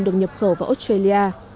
được nhập khẩu vào australia